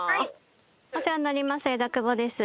お世話になります枝久保です。